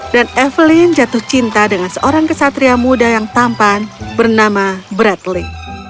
dan evelyn jatuh cinta dengan seorang kesatria muda yang tampan bernama bradley